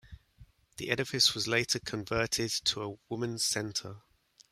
The edifice was later converted to a women's centre.